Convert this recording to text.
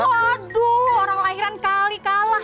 waduh orang lahiran kali kalah